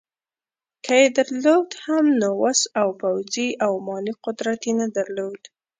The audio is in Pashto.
که یې درلود هم نو وس او پوځي او مالي قدرت یې نه درلود.